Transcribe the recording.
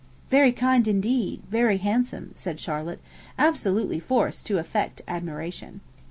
'Very kind indeed, very handsome!' said Charlotte, absolutely forced to affect admiration.